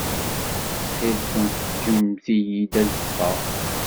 Ttxil-kent ǧǧemt-iyi ad ffɣeɣ.